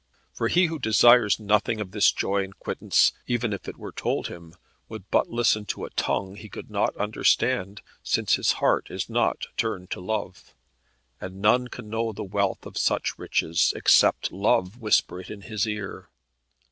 For he who desires nothing of this joy and quittance, even if it were told him, would but listen to a tongue he could not understand, since his heart is not turned to Love, and none can know the wealth of such riches, except Love whisper it in his ear.